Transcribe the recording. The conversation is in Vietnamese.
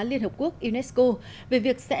liên hợp quốc unesco về việc sẽ